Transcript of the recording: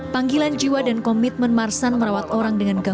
panggilan jiwa dan komitmen marsan merawat orang dengan gampang